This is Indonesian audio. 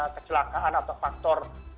kecelakaan atau faktor